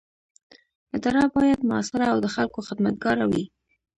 اداره باید مؤثره او د خلکو خدمتګاره وي.